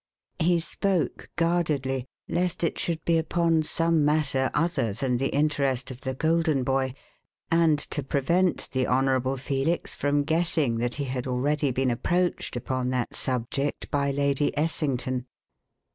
He spoke guardedly, lest it should be upon some matter other than the interest of the "Golden Boy" and to prevent the Honourable Felix from guessing that he had already been approached upon that subject by Lady Essington.